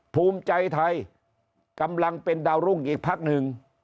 ภูมิใจไทยกำลังเป็นดาวรุ่งอีกพักหนึ่ง